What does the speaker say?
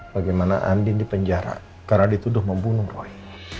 bagaimana andin dipenjara karena dituduh membunuh roy